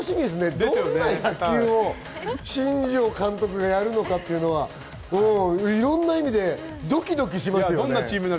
どんな野球を新庄監督がやるのかというのはいろんな意味でドキドキしますね。